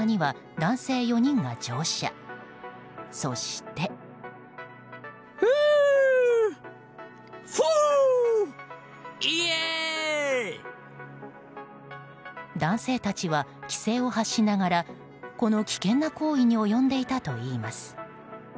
男性たちは、奇声を発しながらこの危険な行為に及んでいたといいます。